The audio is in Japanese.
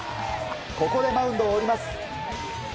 ここでマウンドを降ります。